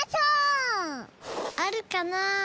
あるかな？